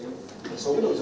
số cái đồ dùng